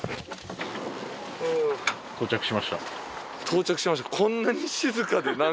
到着しました。